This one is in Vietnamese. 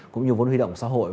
cũng như vốn huy động xã hội